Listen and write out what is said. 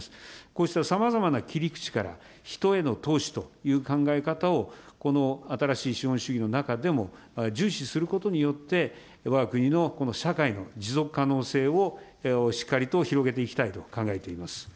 こうしたさまざまな切り口から、人への投資という考え方を、新しい資本主義の中でも重視することによって、わが国のこの社会の持続可能性を、しっかりと広げていきたいと考えています。